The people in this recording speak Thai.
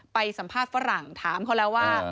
ไปสัมภาษณ์ฝรั่งถามเขาแล้วว่า